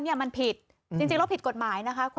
เนี่ยมันผิดจริงรถผิดกฎหมายนะครับ